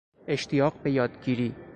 اشتیاق به یادگیری